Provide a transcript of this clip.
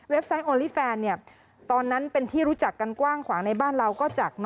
ไซต์โอลี่แฟนตอนนั้นเป็นที่รู้จักกันกว้างขวางในบ้านเราก็จาก